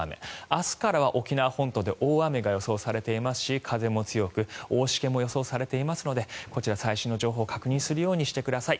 明日からは沖縄本島で大雨が予想されていますし風も強く大しけも予想されていますので最新の情報を確認するようにしてください。